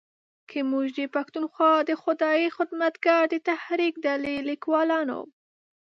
که موږ د پښتونخوا د خدایي خدمتګار د تحریک ډلې لیکوالانو